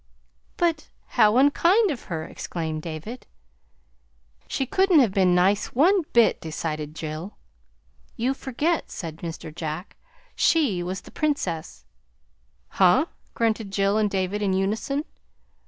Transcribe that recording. "But how unkind of her!" exclaimed David. "She couldn't have been nice one bit!" decided Jill. "You forget," said Mr. Jack. "She was the Princess." "Huh!" grunted Jill and David in unison.